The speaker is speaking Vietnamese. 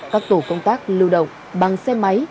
các tổ công tác lưu động bằng xe máy